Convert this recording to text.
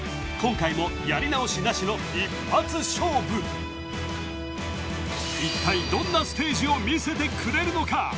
今回もやり直しなしの一発勝負一体どんなステージを見せてくれるのか？